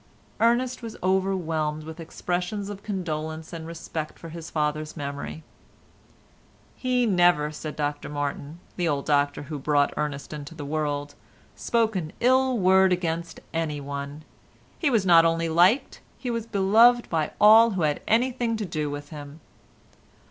Ernest was overwhelmed with expressions of condolence and respect for his father's memory. "He never," said Dr Martin, the old doctor who brought Ernest into the world, "spoke an ill word against anyone. He was not only liked, he was beloved by all who had anything to do with him."